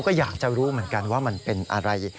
ก็อยากจะรู้เหมือนกันว่ามันเป็นอะไร